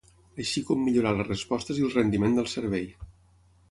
Així com millorar les respostes i el rendiment del servei.